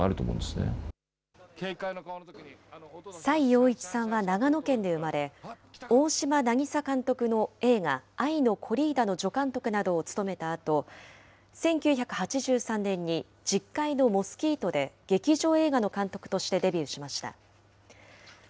崔洋一さんは長野県で生まれ、大島渚監督の映画、愛のコリーダの助監督などを務めたあと、１９８３年に十階のモスキートで劇場映画の監督としてデビューしました。